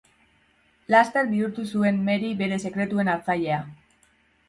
Laster bihurtu zuen Mary bere sekretuen hartzailea.